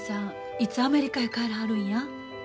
いつアメリカへ帰らはるんや？